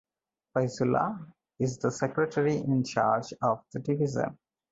Faizullah is the Secretary in charge of the division.